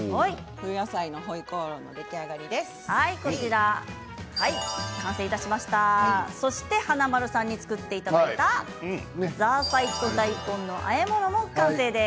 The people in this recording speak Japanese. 冬野菜のホイコーロー華丸さんに作っていただいたザーサイと大根のあえ物も完成です。